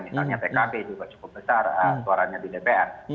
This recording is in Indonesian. misalnya pkb juga cukup besar suaranya di dpr